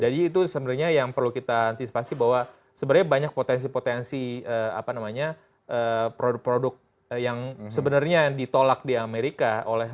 jadi itu sebenarnya yang perlu kita antisipasi bahwa sebenarnya banyak potensi potensi produk produk yang sebenarnya ditolak di amerika